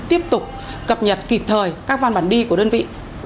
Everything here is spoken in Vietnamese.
tiếp tục cập nhật kịp thời các văn bản đi của đơn vị